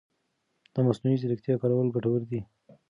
د مصنوعي ځېرکتیا کارول ګټور دي.